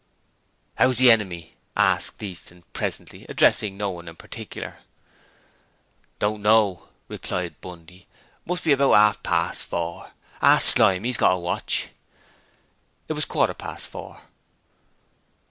'How's the enemy?' asked Easton presently, addressing no one in particular. 'Don't know,' replied Bundy. 'It must be about half past four. Ask Slyme; he's got a watch.' It was a quarter past four.